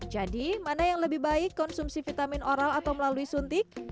jadi mana yang lebih baik konsumsi vitamin oral atau melalui suntik